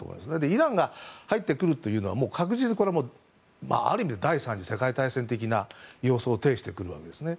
イランが入ってくるというのはある意味で第３次世界大戦的な様相を呈してくるわけですね。